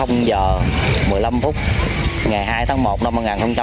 giờ một mươi năm phút ngày hai tháng một năm một nghìn chín trăm hai mươi bốn